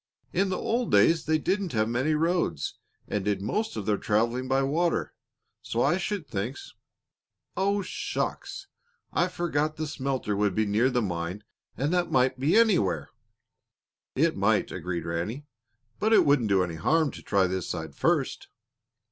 "In the old days they didn't have many roads and did most of their traveling by water, so I should think Oh, shucks! I forgot the smelter would be near the mine and that might be anywhere." "It might," agreed Ranny; "but it won't do any harm to try this side first."